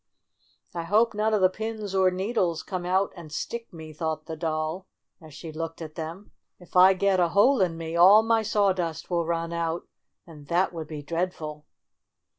"I hope none of the pins or needles come out and stick me," thought the Doll, as she looked at them. " If I get a hole in 60 STORY OF A SAWDUST DOLL me all my sawdust wilFrun out. and that would be dreadful.